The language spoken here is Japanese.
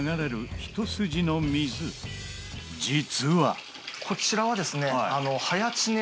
実はこちらはですね。